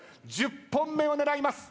１０本目を狙います。